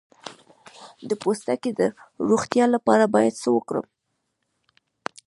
د پوستکي د روغتیا لپاره باید څه وکړم؟